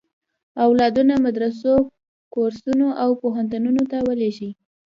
اولادونه مدرسو، کورسونو او پوهنتونونو ته ولېږي.